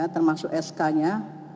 termasuk sk nya